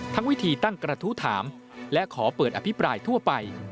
วิธีตั้งกระทู้ถามและขอเปิดอภิปรายทั่วไป